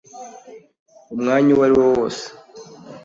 umwanya uwo ari wo wose.